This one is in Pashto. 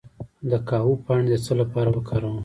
د کاهو پاڼې د څه لپاره وکاروم؟